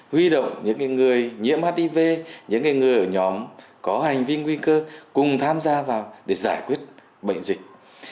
huy động những người nhiễm hiv những người ở nhóm có hành vi nguy cơ cùng tham gia vào để giải quyết bệnh dịch